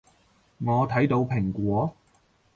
我睇到蘋果